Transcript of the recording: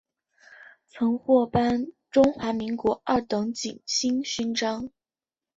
曾获颁中华民国二等景星勋章。